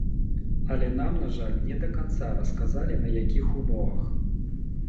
Але нам, на жаль, не да канца расказалі, на якіх умовах.